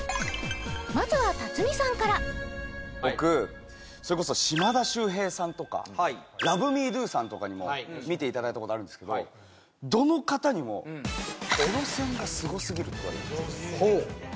まずは辰巳さんから僕それこそ島田秀平さんとかＬｏｖｅＭｅＤｏさんとかにも見ていただいたことあるんですけどどの方にもって言われるんですよ